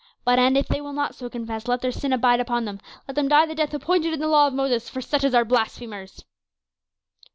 But and if they will not so confess, let their sin abide upon them; let them die the death appointed in the law of Moses for such as are blasphemers."